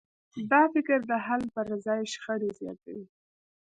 دا فکر د حل پر ځای شخړې زیاتوي.